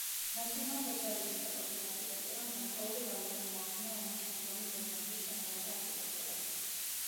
ნაციონალ-სოციალიზმის ეპოქის არქიტექტურამ გარკვეული გავლენა მოახდინა ომის შემდგომი გერმანიის შენობათა არქიტექტურაზე.